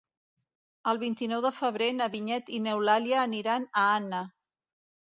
El vint-i-nou de febrer na Vinyet i n'Eulàlia aniran a Anna.